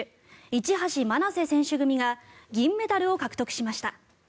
市橋愛生選手組が銀メダルを獲得しました。